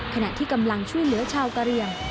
ขณะที่กำลังช่วยเหลือชาวกะเรียง